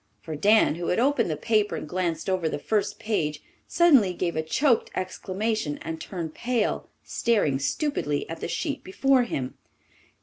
For Dan, who had opened the paper and glanced over the first page, suddenly gave a choked exclamation and turned pale, staring stupidly at the sheet before him.